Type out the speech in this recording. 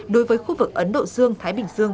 đối với khu vực ấn độ dương thái bình dương